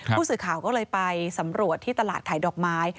ผู้สื่อข่าวก็เลยไปสำรวจที่ตลาดขายดอกไม้